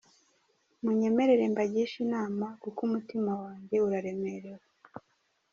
Munyemerere mbagishe inama kuko umutima wanjye uraremerewe.